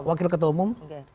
wakil ketua umum